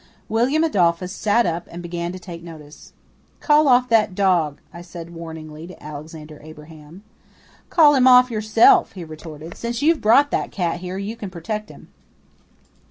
William Adolphus sat up and began to take notice. "Call off that dog," I said warningly to Alexander Abraham. "Call him off yourself," he retorted. "Since you've brought that cat here you can protect him."